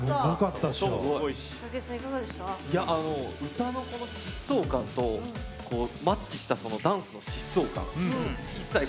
歌の疾走感とマッチしたダンスの疾走感。